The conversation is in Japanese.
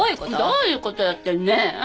どういうことよってねえ？